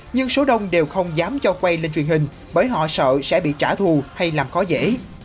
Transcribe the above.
nhưng số đông đều không dám cho quay lên truyền hình bởi họ sợ sẽ bị trả thù hay làm khó dễ